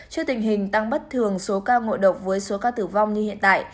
trước tình hình tăng bất thường số ca ngộ độc với số ca tử vong như hiện tại